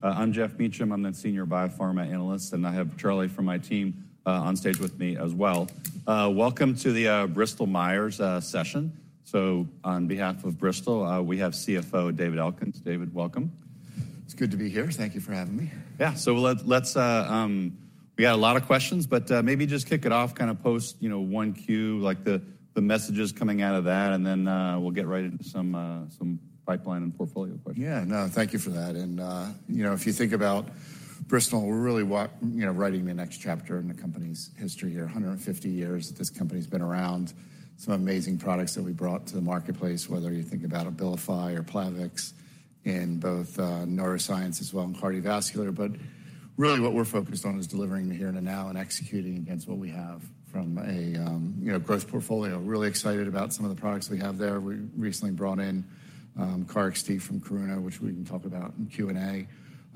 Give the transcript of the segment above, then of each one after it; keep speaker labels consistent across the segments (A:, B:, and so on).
A: I'm Geoff Meacham. I'm the senior biopharma analyst, and I have Charlie from my team on stage with me as well. Welcome to the Bristol Myers session. So on behalf of Bristol, we have CFO David Elkins. David, welcome.
B: It's good to be here. Thank you for having me.
A: Yeah. So let's, we got a lot of questions, but maybe just kick it off, kind of post, you know, Q1, like the messages coming out of that, and then we'll get right into some pipeline and portfolio questions.
B: Yeah, no, thank you for that. And, you know, if you think about Bristol, we're really, you know, writing the next chapter in the company's history here. 150 years that this company's been around, some amazing products that we brought to the marketplace, whether you think about Abilify or Plavix in both, neuroscience as well as cardiovascular. But really what we're focused on is delivering the here and now and executing against what we have from a, you know, growth portfolio. Really excited about some of the products we have there. We recently brought in, KarXT from Karuna, which we can talk about in Q&A.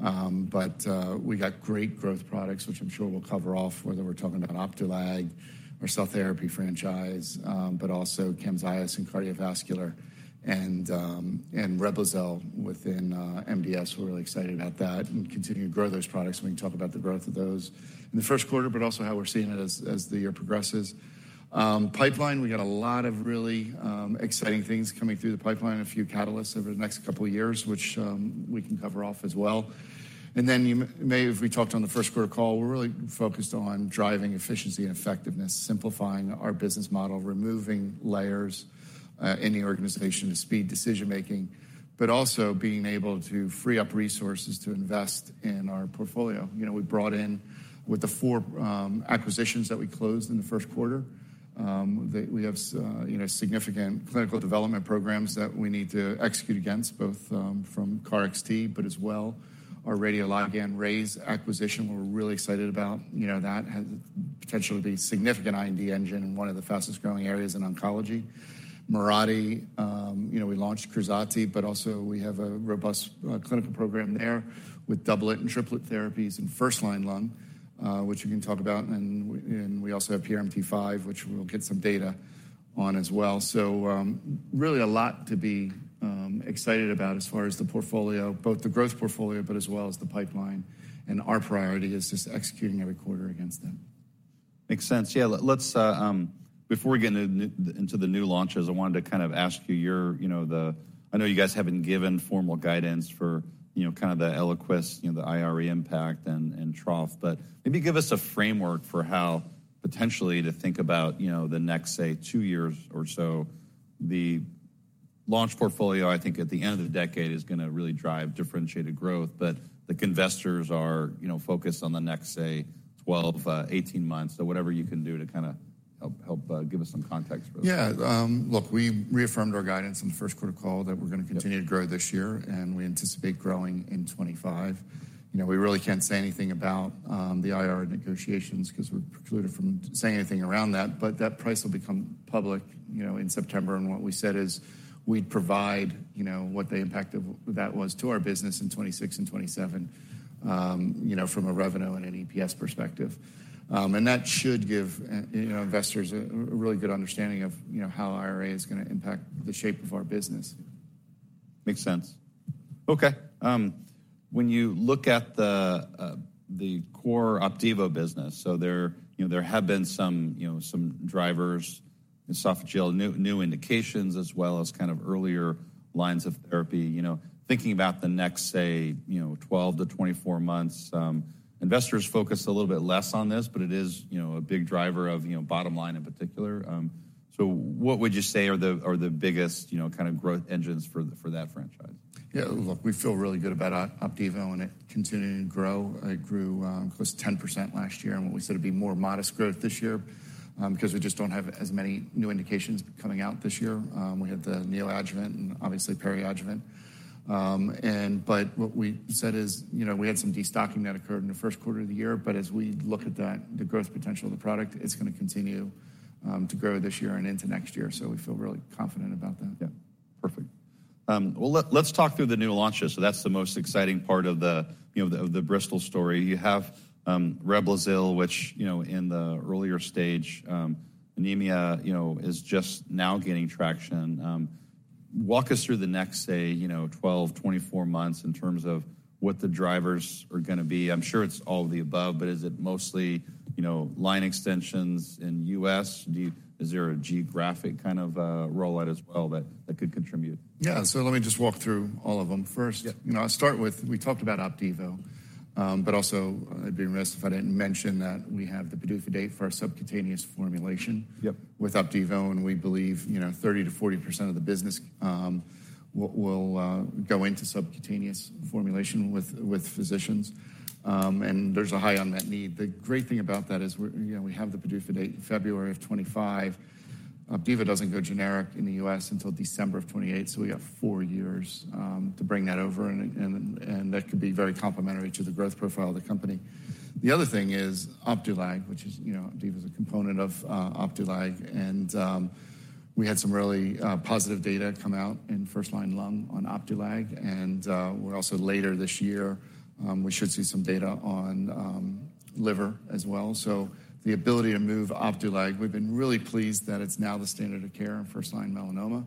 B: But, we got great growth products, which I'm sure we'll cover off, whether we're talking about Opdualag or cell therapy franchise, but also Camzyos and cardiovascular and, and Reblazyl within, MDS. We're really excited about that and continue to grow those products. We can talk about the growth of those in the first quarter, but also how we're seeing it as the year progresses. Pipeline, we got a lot of really exciting things coming through the pipeline. A few catalysts over the next couple of years, which we can cover off as well. And then you may have... We talked on the first quarter call. We're really focused on driving efficiency and effectiveness, simplifying our business model, removing layers in the organization to speed decision making, but also being able to free up resources to invest in our portfolio. You know, we brought in with the four acquisitions that we closed in the first quarter that we have, you know, significant clinical development programs that we need to execute against, both from KarXT, but as well our RayzeBio acquisition. We're really excited about, you know, that has the potential to be a significant IND engine and one of the fastest-growing areas in oncology. Mirati, you know, we launched Krazati, but also we have a robust clinical program there with doublet and triplet therapies in first-line lung, which you can talk about, and we also have PRMT5, which we'll get some data on as well. Really a lot to be excited about as far as the portfolio, both the growth portfolio, but as well as the pipeline, and our priority is just executing every quarter against them.
A: Makes sense. Yeah, let's, before we get into the new launches, I wanted to kind of ask you, your, you know, the... I know you guys haven't given formal guidance for, you know, kind of the Eliquis, you know, the IRA impact and, and trough, but maybe give us a framework for how potentially to think about, you know, the next, say, two years or so. The launch portfolio, I think, at the end of the decade, is gonna really drive differentiated growth, but the investors are, you know, focused on the next, say, 12, 18 months. So whatever you can do to kind of help, help, give us some context for that.
B: Yeah, look, we reaffirmed our guidance in the first quarter call that we're gonna-
A: Yep...
B: continue to grow this year, and we anticipate growing in 2025. You know, we really can't say anything about the IRA negotiations 'cause we're precluded from saying anything around that, but that price will become public, you know, in September. And what we said is, we'd provide, you know, what the impact of that was to our business in 2026 and 2027, you know, from a revenue and an EPS perspective. And that should give you know, investors a really good understanding of, you know, how IRA is gonna impact the shape of our business.
A: Makes sense. Okay, when you look at the core Opdivo business, so there, you know, there have been some, you know, some drivers, esophageal, new, new indications, as well as kind of earlier lines of therapy. You know, thinking about the next, say, you know, 12-24 months, investors focus a little bit less on this, but it is, you know, a big driver of, you know, bottom line in particular. So what would you say are the, are the biggest, you know, kind of growth engines for, for that franchise?
B: Yeah, look, we feel really good about Opdivo and it continuing to grow. It grew close to 10% last year, and we said it'd be more modest growth this year because we just don't have as many new indications coming out this year. We had the neoadjuvant and obviously peri-adjuvant. But what we said is, you know, we had some destocking that occurred in the first quarter of the year, but as we look at the growth potential of the product, it's gonna continue to grow this year and into next year. So we feel really confident about that.
A: Yeah, perfect. Well, let's talk through the new launches. So that's the most exciting part of the, you know, the, of the Bristol story. You have, Reblazyl, which, you know, in the earlier stage, anemia, you know, is just now gaining traction. Walk us through the next, say, you know, 12, 24 months in terms of what the drivers are gonna be. I'm sure it's all the above, but is it mostly, you know, line extensions in US? Is there a geographic kind of, rollout as well that could contribute?
B: Yeah, so let me just walk through all of them first.
A: Yep.
B: You know, I'll start with, we talked about Opdivo, but also I'd be remiss if I didn't mention that we have the PDUFA date for our subcutaneous formulation-
A: Yep...
B: with Opdivo, and we believe, you know, 30%-40% of the business will go into subcutaneous formulation with physicians. And there's a high on that need. The great thing about that is we're, you know, we have the PDUFA date in February of 2025. Opdivo doesn't go generic in the US until December of 2028, so we have 4 years to bring that over, and that could be very complementary to the growth profile of the company. The other thing is Opdualag, which is, you know, Opdivo is a component of Opdualag, and we had some really positive data come out in first-line lung on Opdualag. And we're also later this year we should see some data on liver as well. So the ability to move Opdualag, we've been really pleased that it's now the standard of care in first-line melanoma.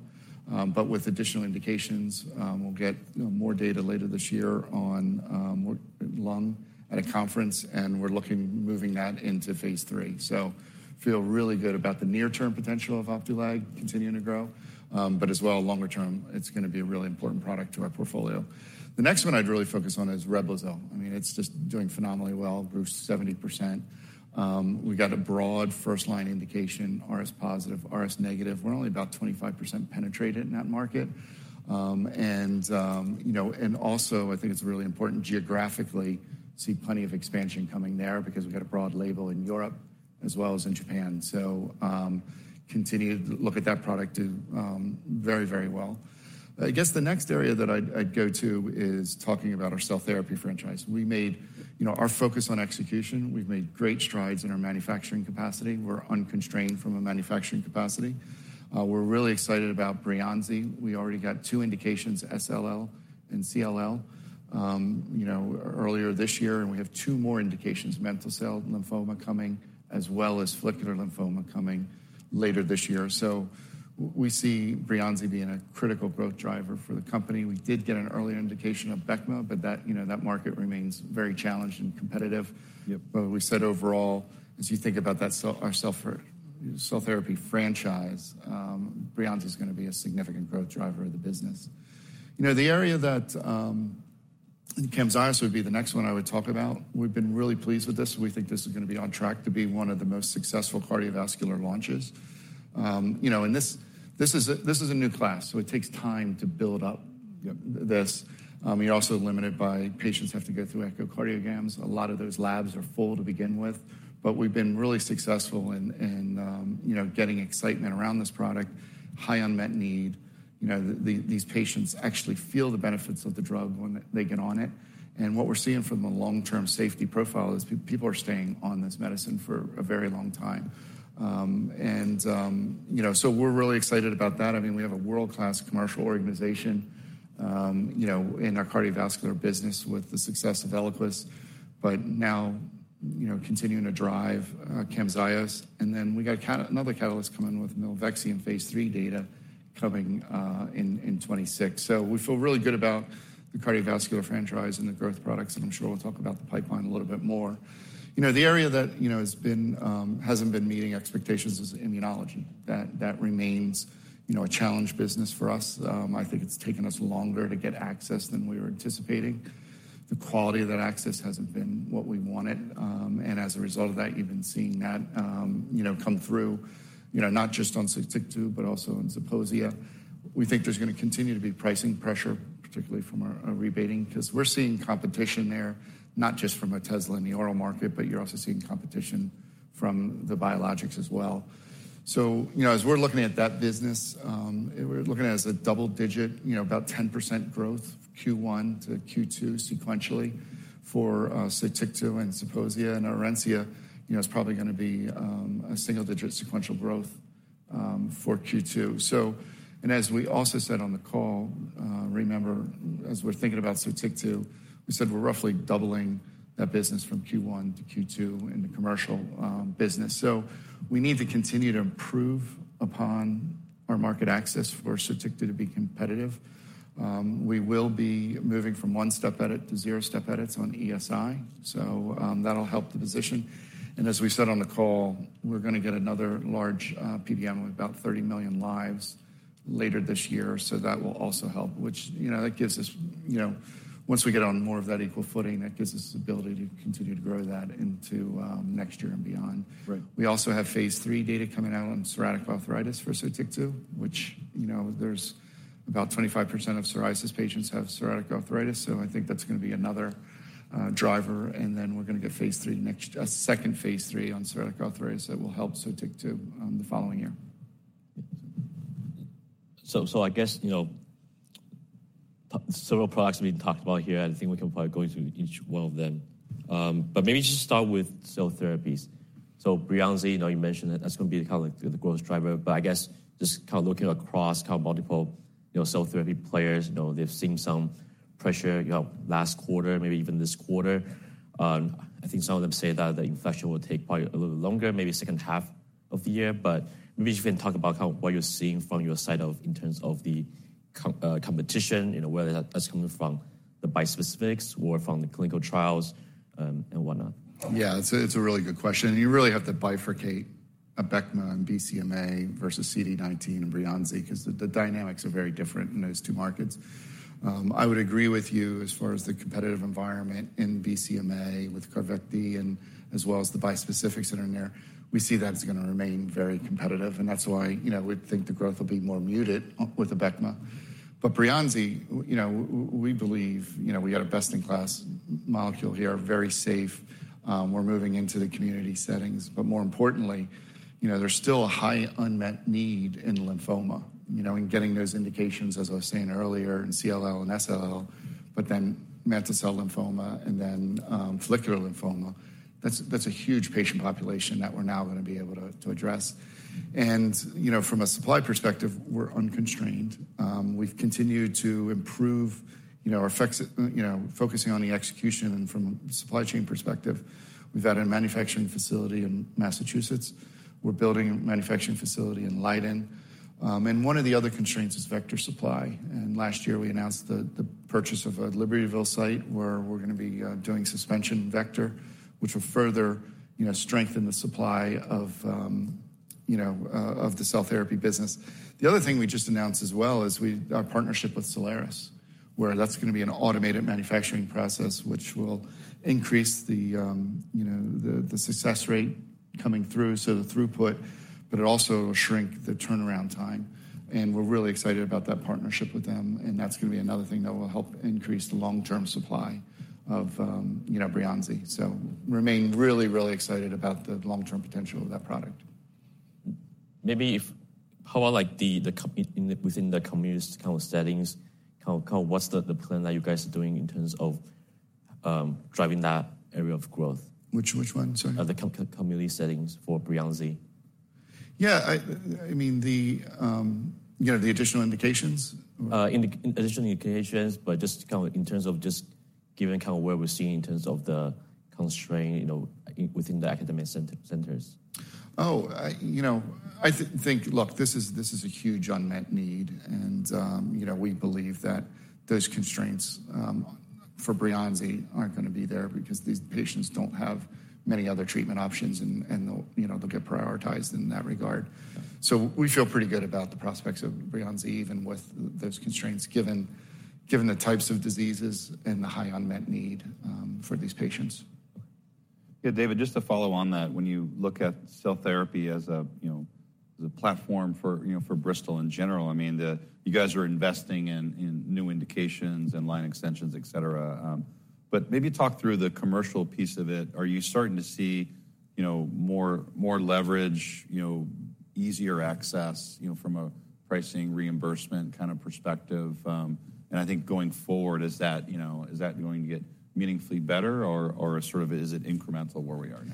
B: But with additional indications, we'll get, you know, more data later this year on more lung at a conference, and we're looking at moving that into phase III. So feel really good about the near-term potential of Opdualag continuing to grow, but as well, longer term, it's gonna be a really important product to our portfolio. The next one I'd really focus on is Reblazyl. I mean, it's just doing phenomenally well, grew 70%. We got a broad first-line indication, RS positive, RS negative. We're only about 25% penetrated in that market. You know, and also I think it's really important geographically. See plenty of expansion coming there because we've got a broad label in Europe as well as in Japan. So continue to look at that product do very, very well. I guess the next area that I'd go to is talking about our cell therapy franchise. We made. You know, our focus on execution, we've made great strides in our manufacturing capacity. We're unconstrained from a manufacturing capacity. We're really excited about Breyanzi. We already got two indications, SLL and CLL, you know, earlier this year, and we have two more indications, Mantle cell lymphoma coming, as well as follicular lymphoma coming later this year. So we see Breyanzi being a critical growth driver for the company. We did get an earlier indication of Abecma, but that, you know, that market remains very challenged and competitive.
A: Yep.
B: But we said overall, as you think about that cell, our cell therapy franchise, Breyanzi is gonna be a significant growth driver of the business. You know, the area that, Camzyos would be the next one I would talk about. We've been really pleased with this. We think this is gonna be on track to be one of the most successful cardiovascular launches. You know, and this, this is a, this is a new class, so it takes time to build up-
A: Yep...
B: this. You're also limited by patients have to go through echocardiograms. A lot of those labs are full to begin with, but we've been really successful in getting excitement around this product. High unmet need. You know, these patients actually feel the benefits of the drug when they get on it, and what we're seeing from a long-term safety profile is people are staying on this medicine for a very long time. And, you know, so we're really excited about that. I mean, we have a world-class commercial organization, you know, in our cardiovascular business with the success of Eliquis, but now, you know, continuing to drive Camzyos, and then we got another catalyst coming with Milvexian phase III data coming in 2026. So we feel really good about the cardiovascular franchise and the growth products, and I'm sure we'll talk about the pipeline a little bit more. You know, the area that, you know, has been hasn't been meeting expectations is immunology. That remains, you know, a challenge business for us. I think it's taken us longer to get access than we were anticipating. The quality of that access hasn't been what we wanted, and as a result of that, you've been seeing that, you know, come through, you know, not just on Sotyktu, but also on Zeposia.
A: Yeah.
B: We think there's gonna continue to be pricing pressure, particularly from our rebating, 'cause we're seeing competition there, not just from Otezla in the oral market, but you're also seeing competition from the biologics as well. So, you know, as we're looking at that business, we're looking at it as a double digit, you know, about 10% growth, Q1-Q2 sequentially for Sotyktu and Zeposia, and Orencia, you know, is probably gonna be a single-digit sequential growth for Q2. So, and as we also said on the call, remember, as we're thinking about Sotyktu, we said we're roughly doubling that business from Q1-Q2 in the commercial business. So we need to continue to improve upon our market access for Sotyktu to be competitive. We will be moving from 1 step edit to 0 step edits on ESI, so, that'll help the position, and as we said on the call, we're gonna get another large PBM with about 30 million lives later this year, so that will also help, which, you know, that gives us, you know... Once we get on more of that equal footing, that gives us the ability to continue to grow that into next year and beyond.
A: Right.
B: We also have phase III data coming out on psoriatic arthritis for Sotyktu, which, you know, there's about 25% of psoriasis patients have psoriatic arthritis, so I think that's gonna be another driver, and then we're gonna get phase III next, second phase III on psoriatic arthritis that will help Sotyktu the following year.
A: So I guess, you know, several products have been talked about here, and I think we can probably go into each one of them. But maybe just start with cell therapies. So Breyanzi, you know, you mentioned that that's gonna be kind of like the growth driver, but I guess just kind of looking across kind of multiple, you know, cell therapy players, you know, they've seen some pressure, you know, last quarter, maybe even this quarter. I think some of them say that the inflection will take probably a little longer, maybe second half of the year, but maybe you can talk about kind of what you're seeing from your side in terms of the competition, you know, whether that's coming from the bispecifics or from the clinical trials, and whatnot.
B: Yeah, it's a really good question, and you really have to bifurcate Abecma and BCMA versus CD19 and Breyanzi 'cause the dynamics are very different in those two markets. I would agree with you as far as the competitive environment in BCMA with Carvykti and as well as the bispecifics that are in there. We see that it's gonna remain very competitive, and that's why, you know, we think the growth will be more muted with Abecma. But Breyanzi, you know, we believe, you know, we got a best-in-class molecule here, very safe. We're moving into the community settings, but more importantly, you know, there's still a high unmet need in lymphoma, you know, in getting those indications, as I was saying earlier, in CLL and SLL, but then mantle cell lymphoma and then follicular lymphoma. That's, that's a huge patient population that we're now gonna be able to address. And, you know, from a supply perspective, we're unconstrained. We've continued to improve, you know, our effects, you know, focusing on the execution and from a supply chain perspective. We've had a manufacturing facility in Massachusetts. We're building a manufacturing facility in Leiden. And one of the other constraints is vector supply, and last year we announced the purchase of a Libertyville site, where we're gonna be doing suspension vector, which will further, you know, strengthen the supply of the cell therapy business. The other thing we just announced as well is our partnership with Cellares, where that's gonna be an automated manufacturing process, which will increase the, you know, success rate coming through, so the throughput, but it also will shrink the turnaround time, and we're really excited about that partnership with them, and that's gonna be another thing that will help increase the long-term supply of, you know, Breyanzi. So remain really, really excited about the long-term potential of that product.
A: How are, like, the community kind of settings, kind of, kind of what's the plan that you guys are doing in terms of driving that area of growth?
B: Which, which one, sorry?
A: The community settings for Breyanzi.
B: Yeah, I mean, you know, the additional indications?
A: In the additional indications, but just kind of in terms of just given kind of where we're seeing in terms of the constraint, you know, within the academic centers.
B: Oh, I, you know, I think, look, this is, this is a huge unmet need, and, you know, we believe that those constraints for Breyanzi aren't gonna be there because these patients don't have many other treatment options, and, and they'll, you know, they'll get prioritized in that regard. So we feel pretty good about the prospects of Breyanzi, even with those constraints, given, given the types of diseases and the high unmet need for these patients.
A: Yeah, David, just to follow on that, when you look at cell therapy as a, you know, as a platform for, you know, for Bristol in general, I mean, the... You guys are investing in new indications and line extensions, et cetera, but maybe talk through the commercial piece of it. Are you starting to see, you know, more leverage, you know, easier access, you know, from a pricing, reimbursement kind of perspective, and I think going forward, is that, you know, is that going to get meaningfully better or sort of is it incremental where we are now?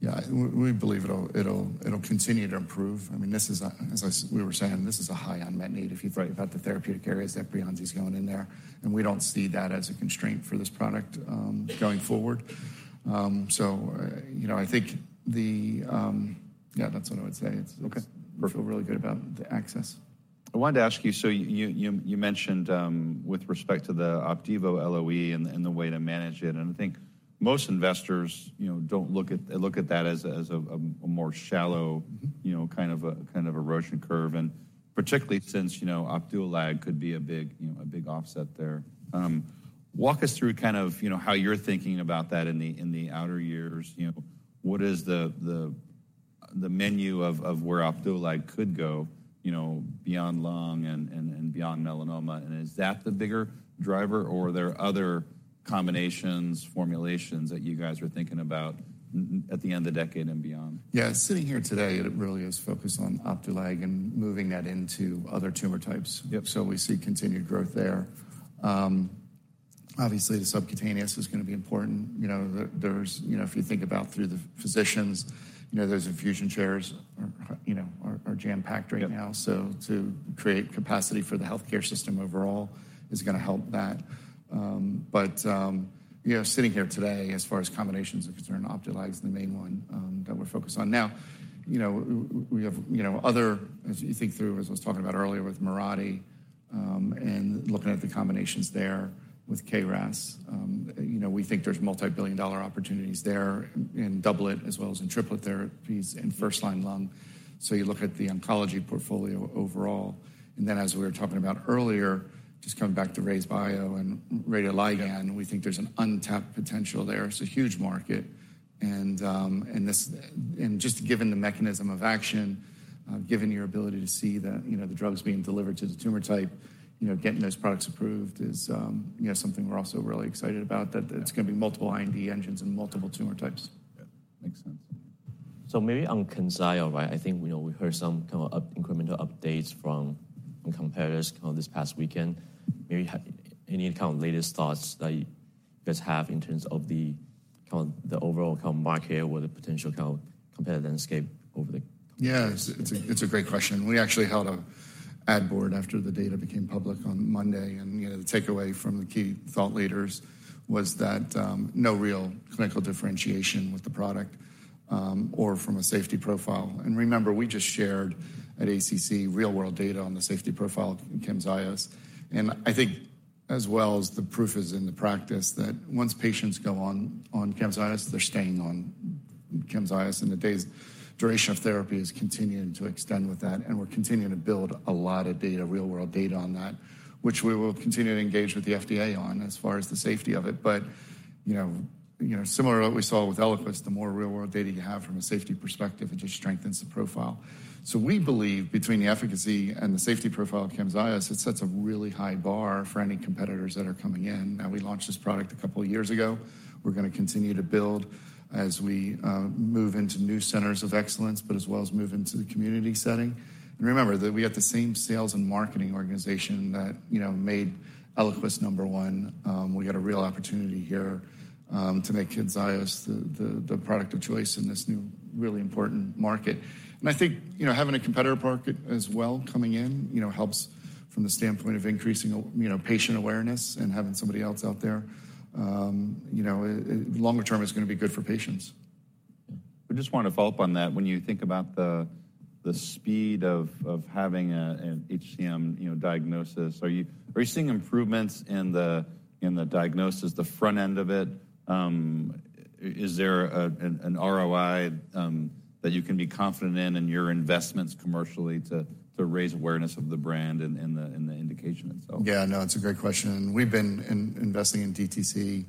B: Yeah, we believe it'll continue to improve. I mean, this is a, as we were saying, this is a high unmet need if you think about the therapeutic areas that Breyanzi is going in there, and we don't see that as a constraint for this product, going forward. So, you know, I think the... Yeah, that's what I would say.
A: Okay, perfect.
B: We feel really good about the access.
A: I wanted to ask you, so you mentioned with respect to the Opdivo LOE and the way to manage it, and I think most investors, you know, don't look at that as a more shallow-
B: Mm-hmm...
A: you know, kind of a kind of erosion curve, and particularly since, you know, Opdualag could be a big, you know, a big offset there. Walk us through kind of, you know, how you're thinking about that in the outer years. You know, what is the menu of where Opdualag could go, you know, beyond lung and beyond melanoma? And is that the bigger driver, or are there other combinations, formulations that you guys are thinking about at the end of the decade and beyond?
B: Yeah, sitting here today, it really is focused on Opdualag and moving that into other tumor types.
A: Yep.
B: We see continued growth there. Obviously, the subcutaneous is gonna be important. You know, if you think about through the physicians, you know, those infusion chairs are, you know, jam-packed right now.
A: Yep.
B: So to create capacity for the healthcare system overall is gonna help that. But, you know, sitting here today, as far as combinations are concerned, Opdualag is the main one that we're focused on. Now, you know, we have, you know, other... As you think through, as I was talking about earlier with Mirati, and looking at the combinations there with KRAS, you know, we think there's multi-billion-dollar opportunities there in doublet as well as in triplet therapies in first-line lung. So you look at the oncology portfolio overall, and then, as we were talking about earlier, just coming back to RayzeBio and radioligand-
A: Yeah...
B: we think there's an untapped potential there. It's a huge market, and, and this, and just given the mechanism of action, given your ability to see the, you know, the drugs being delivered to the tumor type, you know, getting those products approved is, you know, something we're also really excited about.
A: Yeah.
B: That it's gonna be multiple IND engines and multiple tumor types.
A: Yeah, makes sense. So maybe on Camzyos, right? I think, you know, we heard some kind of incremental updates from competitors kind of this past weekend. Maybe any kind of latest thoughts that you guys have in terms of the, kind of the overall kind of market or the potential kind of competitive landscape over the-
B: Yeah, it's a great question. We actually held a ad board after the data became public on Monday, and, you know, the takeaway from the key thought leaders was that, no real clinical differentiation with the product, or from a safety profile. Remember, we just shared at ACC real-world data on the safety profile in Camzyos, and I think as well as the proof is in the practice, that once patients go on Camzyos, they're staying on Camzyos, and the days... Duration of therapy is continuing to extend with that, and we're continuing to build a lot of data, real-world data on that, which we will continue to engage with the FDA on as far as the safety of it. But, you know, similar to what we saw with Eliquis, the more real-world data you have from a safety perspective, it just strengthens the profile. So we believe between the efficacy and the safety profile of Camzyos, it sets a really high bar for any competitors that are coming in. Now, we launched this product a couple of years ago. We're gonna continue to build as we move into new centers of excellence, but as well as move into the community setting. And remember that we have the same sales and marketing organization that, you know, made Eliquis number one. We got a real opportunity here to make Camzyos the product of choice in this new really important market. I think, you know, having a competitor market as well coming in, you know, helps from the standpoint of increasing, you know, patient awareness and having somebody else out there. You know, it longer term is gonna be good for patients....
A: We just want to follow up on that. When you think about the speed of having an HCM, you know, diagnosis, are you seeing improvements in the diagnosis, the front end of it? Is there an ROI that you can be confident in, in your investments commercially to raise awareness of the brand and the indication itself?
B: Yeah, no, it's a great question, and we've been investing in DTC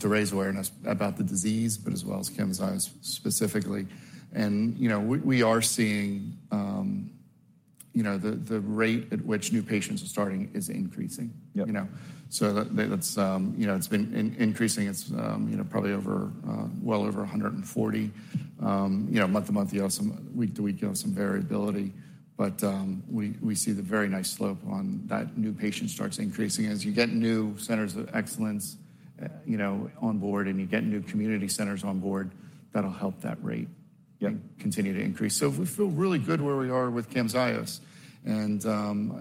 B: to raise awareness about the disease, but as well as Camzyos specifically. You know, we are seeing, you know, the rate at which new patients are starting is increasing.
A: Yep.
B: You know, so that's, you know, it's been increasing. It's, you know, probably over, well over 140. You know, month to month, you have some... Week to week, you have some variability, but, we see the very nice slope on that new patient starts increasing. As you get new centers of excellence, you know, on board, and you get new community centers on board, that'll help that rate-
A: Yep
B: continue to increase. So we feel really good where we are with Camzyos, and,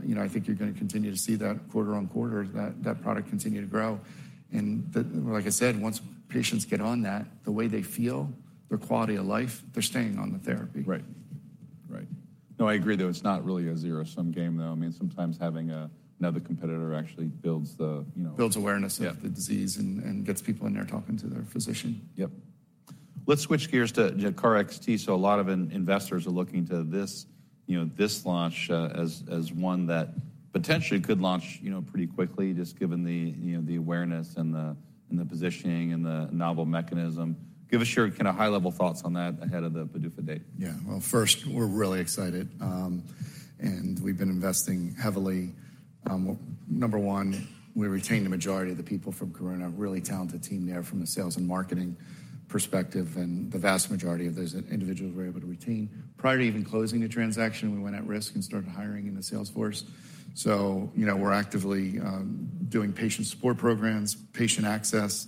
B: you know, I think you're gonna continue to see that quarter on quarter, that, that product continue to grow. Like I said, once patients get on that, the way they feel, their quality of life, they're staying on the therapy.
A: Right. Right. No, I agree, though. It's not really a zero-sum game, though. I mean, sometimes having a, another competitor actually builds the, you know-
B: Builds awareness-
A: Yeah
B: -of the disease and gets people in there talking to their physician.
A: Yep. Let's switch gears to KarXT. So a lot of investors are looking to this, you know, this launch, as one that potentially could launch, you know, pretty quickly, just given the, you know, the awareness and the positioning and the novel mechanism. Give us your kind of high-level thoughts on that ahead of the PDUFA date?
B: Yeah. Well, first, we're really excited, and we've been investing heavily. Number one, we retained the majority of the people from Karuna, a really talented team there from a sales and marketing perspective, and the vast majority of those individuals we were able to retain. Prior to even closing the transaction, we went at risk and started hiring in the sales force. So, you know, we're actively doing patient support programs, patient access,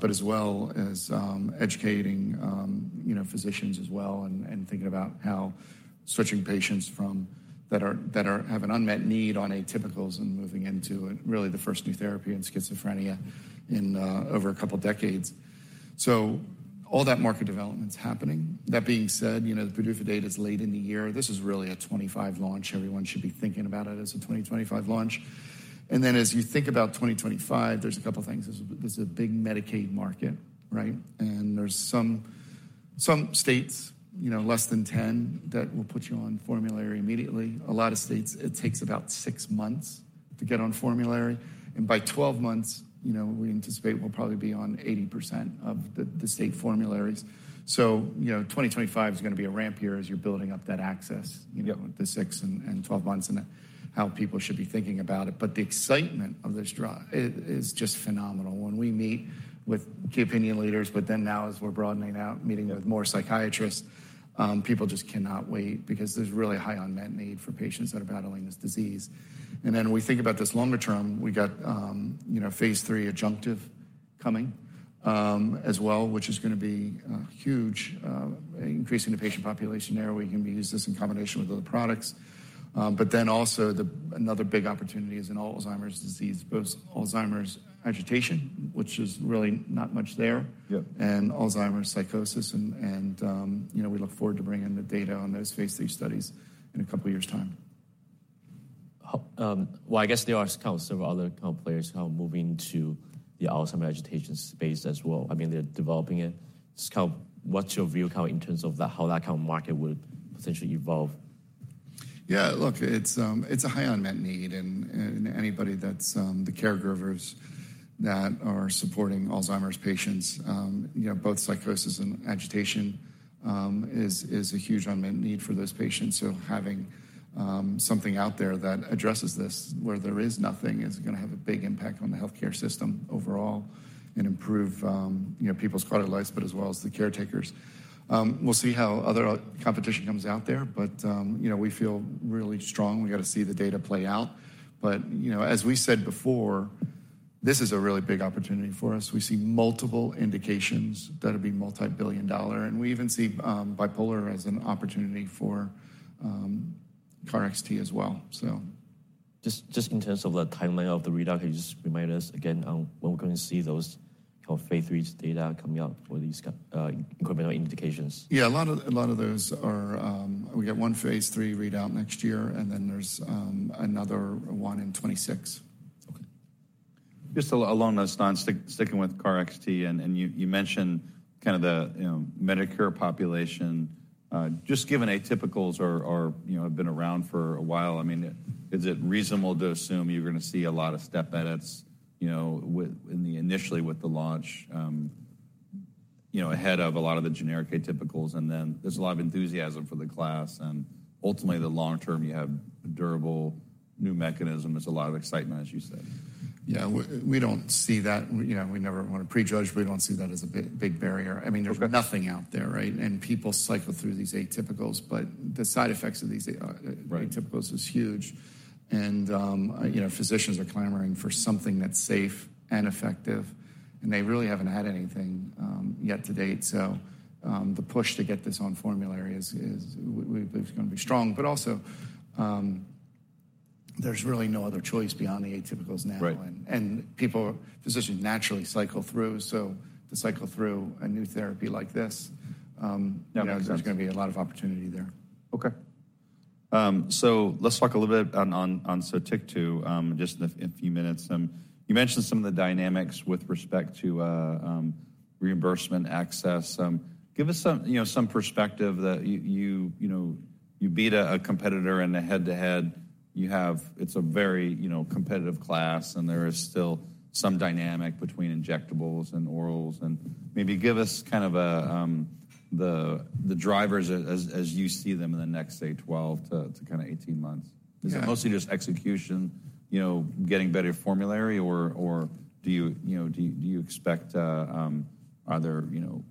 B: but as well as educating, you know, physicians as well, and thinking about how switching patients from that are have an unmet need on atypicals and moving into, really, the first new therapy in schizophrenia in over a couple of decades. So all that market development's happening. That being said, you know, the PDUFA date is late in the year. This is really a 25 launch. Everyone should be thinking about it as a 2025 launch. And then, as you think about 2025, there's a couple of things. There's a big Medicaid market, right? And there's some states, you know, less than 10, that will put you on formulary immediately. A lot of states, it takes about 6 months to get on formulary, and by 12 months, you know, we anticipate we'll probably be on 80% of the state formularies. So, you know, 2025 is gonna be a ramp year as you're building up that access-
A: Yep
B: -with the 6 and 12 months, and how people should be thinking about it. But the excitement of this drug is just phenomenal. When we meet with key opinion leaders, but then now, as we're broadening out, meeting with more psychiatrists, people just cannot wait because there's really a high unmet need for patients that are battling this disease. And then when we think about this longer term, we got, you know, phase three adjunctive coming, as well, which is gonna be huge, increasing the patient population there, where you can use this in combination with other products. But then also, another big opportunity is in Alzheimer's disease, both Alzheimer's agitation, which is really not much there-
A: Yep...
B: and Alzheimer's psychosis and, you know, we look forward to bringing the data on those phase three studies in a couple of years' time.
A: Well, I guess there are kind of several other kind of players now moving to the Alzheimer's agitation space as well. I mean, they're developing it. Just kind of what's your view kind of in terms of the, how that kind of market would potentially evolve?
B: Yeah, look, it's a high unmet need, and anybody that's the caregivers that are supporting Alzheimer's patients, you know, both psychosis and agitation, is a huge unmet need for those patients. So having something out there that addresses this, where there is nothing, is gonna have a big impact on the healthcare system overall and improve, you know, people's quality of lives, but as well as the caretakers. We'll see how other competition comes out there, but, you know, we feel really strong. We got to see the data play out. But, you know, as we said before, this is a really big opportunity for us. We see multiple indications that'll be multi-billion dollar, and we even see bipolar as an opportunity for KarXT as well, so...
A: Just in terms of the timeline of the readout, can you just remind us again on when we're going to see those kind of incremental indications?
B: Yeah, a lot of, a lot of those are. We got one phase 3 readout next year, and then there's another one in 2026.
A: Okay. Just along those lines, sticking with KarXT, and you mentioned kind of the, you know, Medicare population. Just given atypicals are, you know, have been around for a while, I mean, is it reasonable to assume you're gonna see a lot of step edits, you know, within initially with the launch, ahead of a lot of the generic atypicals? And then there's a lot of enthusiasm for the class, and ultimately, the long term, you have a durable new mechanism. There's a lot of excitement, as you said.
B: Yeah. We, we don't see that. You know, we never want to prejudge, but we don't see that as a big, big barrier.
A: Okay.
B: I mean, there's nothing out there, right? And people cycle through these atypicals, but the side effects of these a-
A: Right...
B: atypicals is huge. And, you know, physicians are clamoring for something that's safe and effective, and they really haven't had anything yet to date. So, the push to get this on formulary is gonna be strong. But also, there's really no other choice beyond the atypicals now.
A: Right.
B: People, physicians naturally cycle through, so to cycle through a new therapy like this,
A: Yeah, makes sense.
B: You know, there's gonna be a lot of opportunity there.
A: Okay. So let's talk a little bit on, on, on Sotyktu, just in a, in a few minutes. You mentioned some of the dynamics with respect to, reimbursement access. Give us some, you know, some perspective that you, you, you know, you beat a, a competitor in a head-to-head. You have—It's a very, you know, competitive class, and there is still some dynamic between injectables and orals. And maybe give us kind of a, the, the drivers as, as you see them in the next, say, 12-18 months.
B: Yeah.
A: Is it mostly just execution, you know, getting better formulary or, or do you, you know, do you, do you expect other, you know,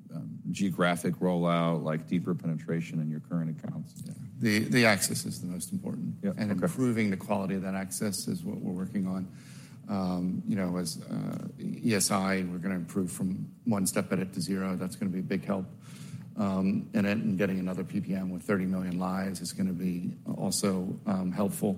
A: geographic rollout, like deeper penetration in your current accounts?
B: Yeah. The access is the most important.
A: Yeah. Okay.
B: Improving the quality of that access is what we're working on. You know, as ESI, we're gonna improve from 1 step edit to 0. That's gonna be a big help. And then getting another PBM with 30 million lives is gonna be also helpful.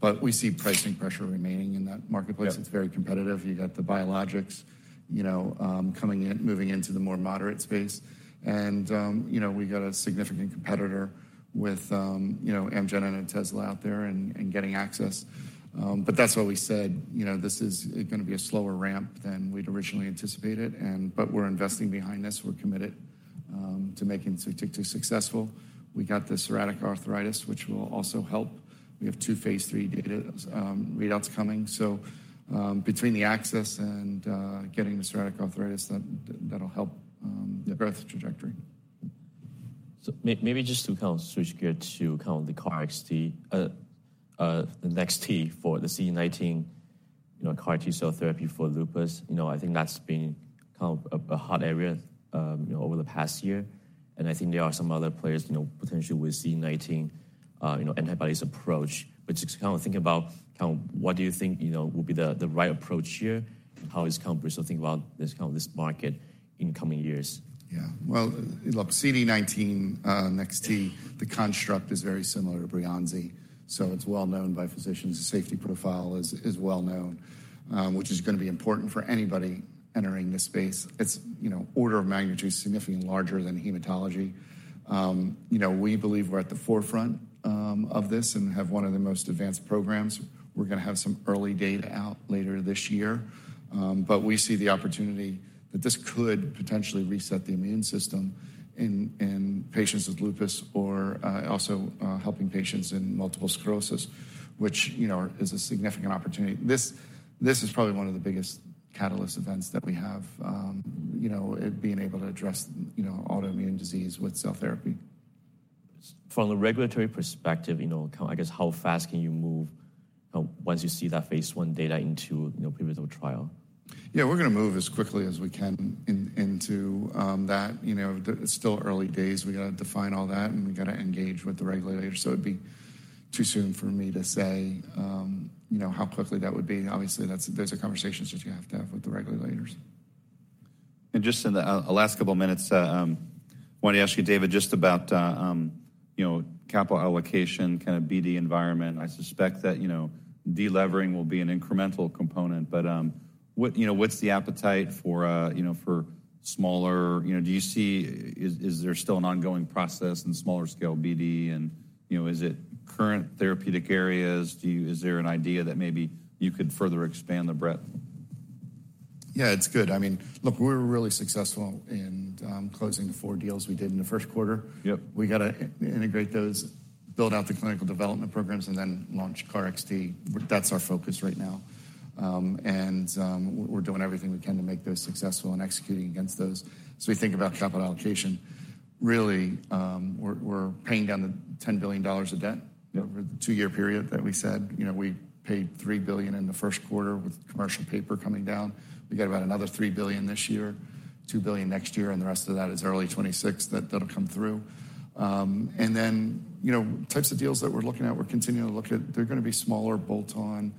B: But we see pricing pressure remaining in that marketplace.
A: Yeah.
B: It's very competitive. You got the biologics, you know, coming in, moving into the more moderate space. And, you know, we got a significant competitor with, you know, Amgen and Otezla out there and, and getting access. But that's why we said, you know, this is gonna be a slower ramp than we'd originally anticipated and... But we're investing behind this. We're committed to making Sotyktu successful. We got the psoriatic arthritis, which will also help. We have two phase 3 data readouts coming. So, between the access and, getting the psoriatic arthritis, that, that'll help.
A: Yeah...
B: the growth trajectory.
A: Maybe just to kind of switch gear to kind of the KarXT, the NEX-T for the CD19, you know, CAR T-cell therapy for lupus. You know, I think that's been kind of a hot area, you know, over the past year, and I think there are some other players, you know, potentially with CD19, you know, antibodies approach. But just kind of think about kind of what do you think you know would be the right approach here, and how is kind of we think about this, kind of this market in coming years?
B: Yeah. Well, look, CD19, NEX-T, the construct is very similar to Breyanzi, so it's well known by physicians. The safety profile is, is well known, which is gonna be important for anybody entering this space. It's, you know, order of magnitude, significantly larger than hematology. You know, we believe we're at the forefront, of this and have one of the most advanced programs. We're gonna have some early data out later this year, but we see the opportunity that this could potentially reset the immune system in, in patients with lupus or, also, helping patients in multiple sclerosis, which, you know, is a significant opportunity. This, this is probably one of the biggest catalyst events that we have, you know, it being able to address, you know, autoimmune disease with cell therapy.
A: From a regulatory perspective, you know, kind of, I guess, how fast can you move once you see that phase 1 data into, you know, pivotal trial?
B: Yeah, we're gonna move as quickly as we can into that. You know, the, it's still early days. We gotta define all that, and we gotta engage with the regulators. So it'd be too soon for me to say, you know, how quickly that would be. Obviously, that's, those are conversations that you have to have with the regulators.
A: And just in the last couple of minutes, I want to ask you, David, just about you know, capital allocation, kind of BD environment. I suspect that, you know, de-levering will be an incremental component, but what, you know, what's the appetite for you know, for smaller. You know, do you see, is there still an ongoing process in smaller scale BD, and, you know, is it current therapeutic areas? Do you. Is there an idea that maybe you could further expand the breadth?
B: Yeah, it's good. I mean, look, we're really successful in closing the four deals we did in the first quarter.
A: Yep.
B: We gotta integrate those, build out the clinical development programs, and then launch KarXT. That's our focus right now. We're doing everything we can to make those successful and executing against those. So we think about capital allocation. Really, we're paying down the $10 billion of debt, you know, over the two-year period that we said. You know, we paid $3 billion in the first quarter with commercial paper coming down. We got about another $3 billion this year, $2 billion next year, and the rest of that is early 2026. That, that'll come through. And then, you know, types of deals that we're looking at, we're continuing to look at, they're gonna be smaller, bolt-on,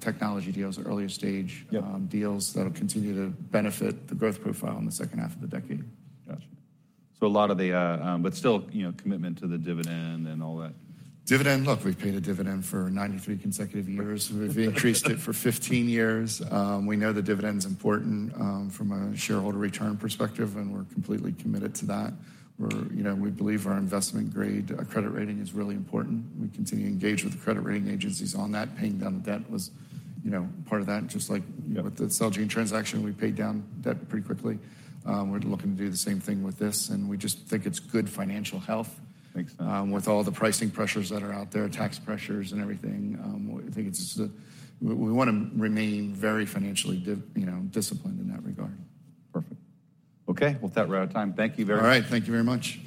B: technology deals or earlier stage-
A: Yep...
B: deals that'll continue to benefit the growth profile in the second half of the decade.
A: Gotcha. But still, you know, commitment to the dividend and all that.
B: Dividend, look, we've paid a dividend for 93 consecutive years. We've increased it for 15 years. We know the dividend's important from a shareholder return perspective, and we're completely committed to that. We're, you know, we believe our investment-grade credit rating is really important. We continue to engage with the credit rating agencies on that. Paying down the debt was, you know, part of that, just like-
A: Yeah...
B: with the Celgene transaction, we paid down debt pretty quickly. We're looking to do the same thing with this, and we just think it's good financial health.
A: Makes sense.
B: With all the pricing pressures that are out there, tax pressures and everything, we think it's we wanna remain very financially disciplined, you know, in that regard.
A: Perfect. Okay, well, with that we're out of time. Thank you very-
B: All right. Thank you very much.